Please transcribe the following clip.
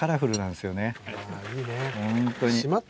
いいね。